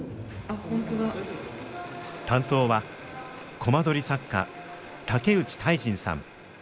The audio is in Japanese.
担当はコマ撮り作家竹内泰人さん。